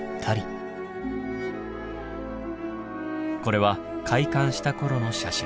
これは開館した頃の写真。